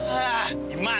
hah gimana sih